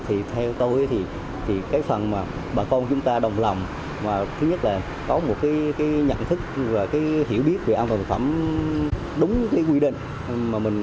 thì theo tôi thì cái phần mà bà con chúng ta đồng lòng thứ nhất là có một cái nhận thức và hiểu biết về an toàn thực phẩm đúng với quy định